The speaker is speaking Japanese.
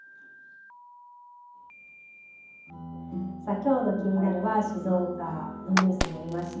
きょうのキニナル！は静岡のニュースにありました